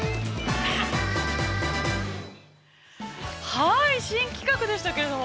◆はい、新企画でしたけれども。